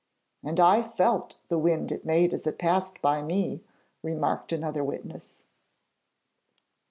'And I felt the wind it made as it passed by me,' remarked another witness.